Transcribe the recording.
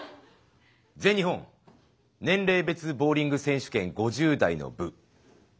全日本年齢別ボウリング選手権５０代の部優勝！